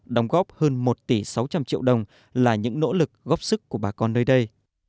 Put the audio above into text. đóng góp hơn một tỷ sáu trăm linh triệu đồng là những nỗ lực góp sức của bà con nơi đây